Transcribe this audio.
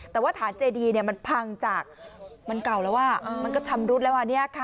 แต่ว่าฐานเจดีมันพังจากมันเก่าแล้วอ่ะมันก็ชำรุดแล้ว